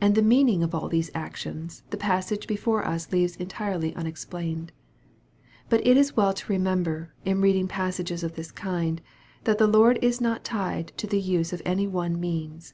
And the meaning of all these actions, the passage before us leaves entirely unexplained. But it is well to remember, in reading passages of this kind, that the Lord is not tied to the use of any one means.